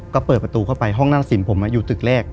ก็เปิดประตูเข้าไปห้องหน้าสินผมอยู่ตึกแรก